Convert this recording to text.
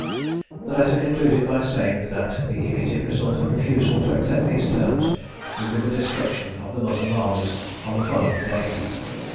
The letter concluded by saying that the immediate result of refusal to accept these terms would be the destruction of the Moslem armies on the following day.